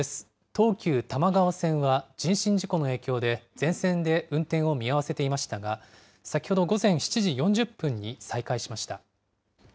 東急多摩川線は人身事故の影響で、全線で運転を見合わせていましたが、先ほど午前７時４０分に再開しました。